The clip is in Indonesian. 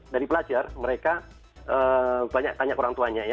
dari belajar mereka banyak tanya ke orang tuanya